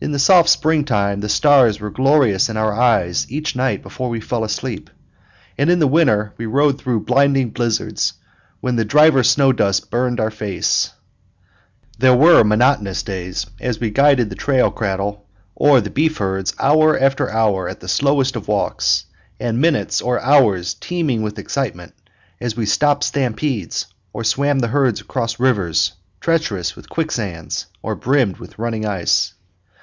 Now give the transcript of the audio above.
In the soft springtime the stars were glorious in our eyes each night before we fell asleep; and in the winter we rode through blinding blizzards, when the driven snow dust burned our faces. There were monotonous days, as we guided the trail cattle or the beef herds, hour after hour, at the slowest of walks; and minutes or hours teeming with excitement as we stopped stampedes or swam the herds across rivers treacherous with quicksands or brimmed with running ice.